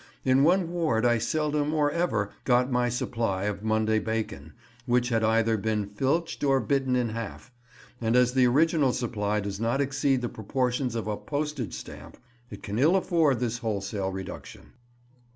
In one ward I seldom, or ever, got my supply of Monday bacon, which had either been filched or bitten in half; and as the original supply does not exceed the proportions of a postage stamp, it can ill afford this wholesale reduction.